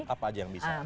apa aja yang bisa